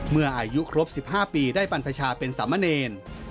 เมื่ออายุครบ๑๕ปีได้บรรพชาเป็นสามเณร